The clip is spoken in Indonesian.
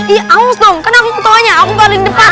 iya aku mau dong kenapa aku ketuanya aku paling depan